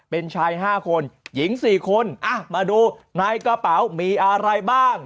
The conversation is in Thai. เป็นชาย๕คนหญิง๔คนมาดูในกระเป๋ามีอะไรบ้าง